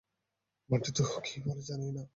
বান্টি তো কী বলে জানেই না।